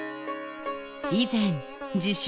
以前自称